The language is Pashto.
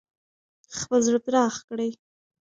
خپل زړه پراخ کړئ.